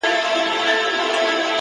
هوډ د نیمګړتیاوو پروا نه کوي؛